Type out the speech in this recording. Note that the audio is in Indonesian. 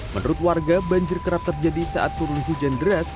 menurut warga banjir kerap terjadi saat turun hujan deras